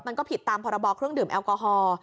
มันก็ผิดตามพรบเครื่องดื่มแอลกอฮอล์